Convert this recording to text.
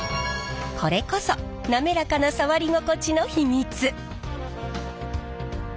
これこそなめらかな触り心地の秘密！